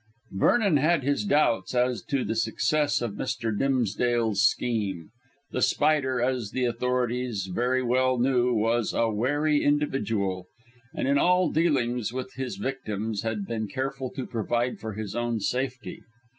Vernon had his doubts as to the success of Mr. Dimsdale's scheme. The Spider, as the authorities very well knew, was a wary individual, and in all dealings with his victims had been careful to provide for his own safety.